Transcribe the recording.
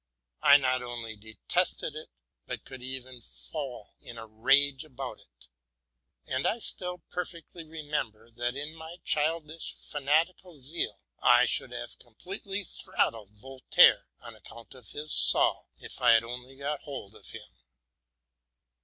I not only detested it, but could even fall in arage about it; and I still perfectly remember, that, in my childishly fanatical zeal, I should have completely throttled Voltaire, on account of his '* Saul,'' if I could only have got at him.